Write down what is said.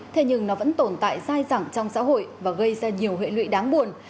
thế nhưng nó vẫn tồn tại dài dẳng trong xã hội và gây ra nhiều hệ lụy đáng buồn